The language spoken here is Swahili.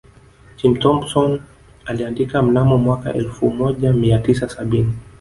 Jim thompson aliandika mnamo mwaka elfu moja mia tisa sabini